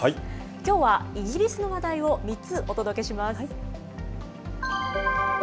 きょうはイギリスの話題を３つお届けします。